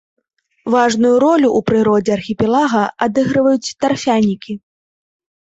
Важную ролю ў прыродзе архіпелага адыгрываюць тарфянікі.